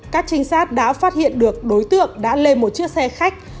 các trinh sát đã phát hiện được đối tượng đã lên một chiếc xe khách